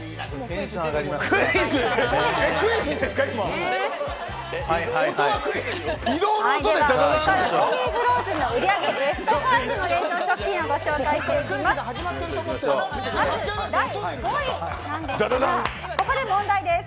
ベスト５の冷凍食品をご紹介します。